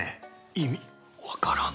意味わからん